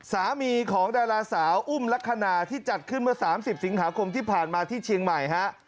สามีของดาราสาวอุ้มลักษณะที่จัดขึ้นเมื่อ๓๐สิงหาคมที่ผ่านมาที่เชียงใหม่ฮะ